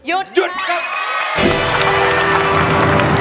หยุดกับ